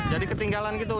jadi ketinggalan gitu ya